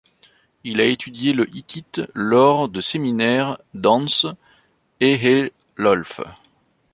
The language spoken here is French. Il a étudié le hittite lors de séminaires d'Hans Ehelolf.